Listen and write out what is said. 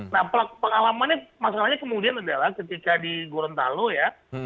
nah pengalamannya masalahnya kemudian adalah ketika di gorontalo ya